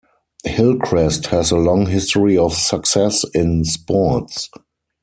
Hillcrest has a long history of success in sports.